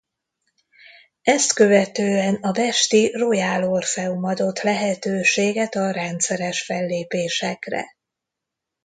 Ezt követően a pesti Royal Orfeum adott lehetőséget a rendszeres fellépésekre.